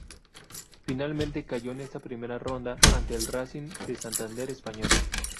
Finalmente cayó en esta Primera Ronda ante el Racing de Santander español.